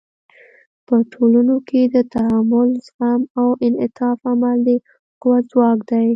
په ټولنو کې د تحمل، زغم او انعطاف عمل د قوت ځواک دی.